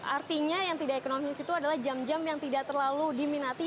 artinya yang tidak ekonomis itu adalah jam jam yang tidak terlalu diminati